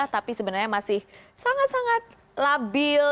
tapi sebenarnya masih sangat sangat labil